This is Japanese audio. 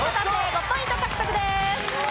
５ポイント獲得です。